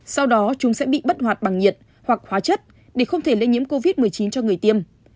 sau đó chúng sẽ bị bất hoạt bằng nhiệt hoặc hóa chất để không thể lây nhiễm covid một mươi chín cho người tiêm